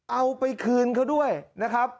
เอาไปคืนเขาด้วยนะครับ